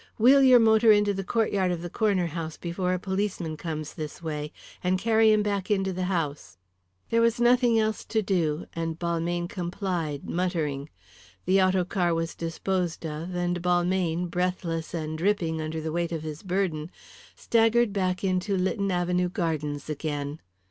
Wheel your motor into the courtyard of the Corner House before a policeman comes this way, and carry him back into the house." There was nothing else to do, and Balmayne complied, muttering. The autocar was disposed of, and Balmayne, breathless and dripping under the weight of his burden, staggered back into Lytton Avenue Gardens again.